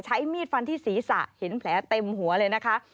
ใช้มีดฟันที่ศีรษะเห็นแผลเต็มหัวเลยนะคะ